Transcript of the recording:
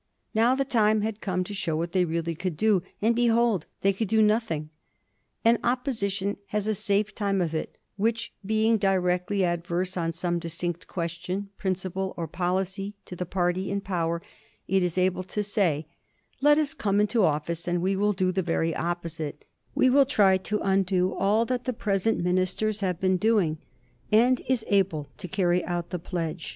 Now the time had come to show what they really could do ; and, behold, they could do nothing. An opposition has a safe time of it which, be ing directly adverse on some distinct question, principle, or policy to' the party in power, it is able to say, " Let us come into office and we will do the very opposite; we will try to undo all that the present ministers have been doing," and is able to carry out the pledge.